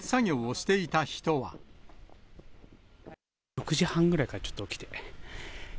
６時半ぐらいからちょっと起きて。